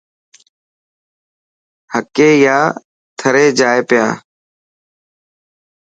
حڪي يا ٿري جائي پيا.